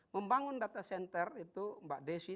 membangun data center itu mbak desi